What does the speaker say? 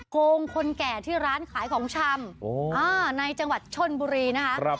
โกงคนแก่ที่ร้านขายของชำในจังหวัดชนบุรีนะคะ